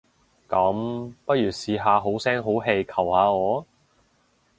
噉，不如試下好聲好氣求下我？